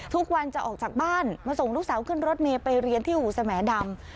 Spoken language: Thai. ทุกวันจะออกจากบ้านมาส่งลูกสาวขึ้นรถเมย์ไปเรียนที่อู่สแหมดำ